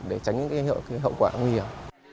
để tránh những hậu quả nguy hiểm